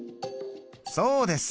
そうです！